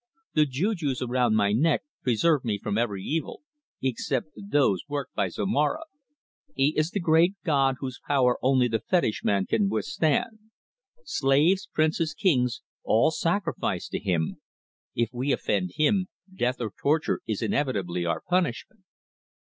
"The jujus around my neck preserve me from every evil, except those worked by Zomara. He is the great god whose power only the fetish man can withstand. Slaves, princes, kings, all sacrifice to him. If we offend him death or torture is inevitably our punishment."